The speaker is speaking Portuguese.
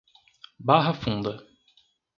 Barra Funda